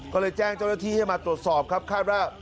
ก็เลยแจ้งเจ้าหน้าที่ให้มาตรวจสอบครับคาดว่า